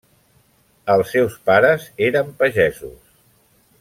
Els seus pares eren pagesos.